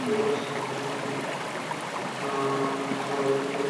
তিনি প্রতি পাঁচ বছরে নয়টি মালয় রাজ্যের বংশধর শাসকদের দ্বারা নির্বাচিত একজন নির্বাচিত রাজা।